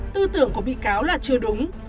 tư tưởng của bị cáo là chưa đúng